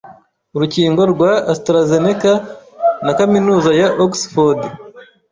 Urukingo rwa AstraZeneca na Kaminuza ya Oxford